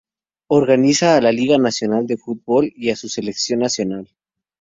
Organiza a la liga nacional de fútbol y a su selección nacional.